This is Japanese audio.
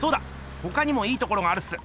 ほかにもいいところがあるっす。